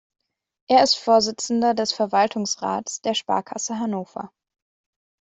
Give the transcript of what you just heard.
Er ist Vorsitzender des Verwaltungsrats der Sparkasse Hannover.